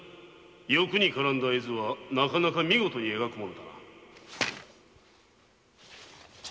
欲に絡んだ絵図はなかなか見事に描くものだな。